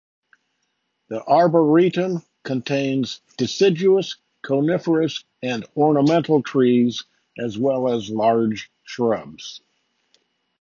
The arboretum contains deciduous, coniferous, and ornamental trees, as well as large shrubs.